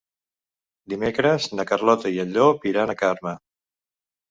Dimecres na Carlota i en Llop iran a Carme.